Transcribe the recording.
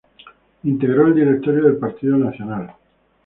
Integró el Directorio del Partido Nacional.